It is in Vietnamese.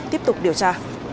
tiếp tục điều tra